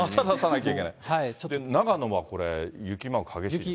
長野は雪マーク激しいですね。